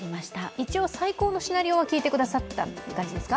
一応、最高のシナリオは聞いてくださった感じですか？